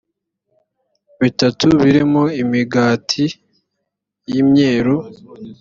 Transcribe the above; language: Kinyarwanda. bitatu birimo imigati y imyeru